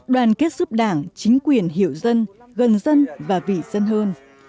đoàn kết giúp đảng chính quyền hiểu dân gần dân và vị dân hơn